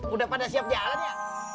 udah pada siap jalan ya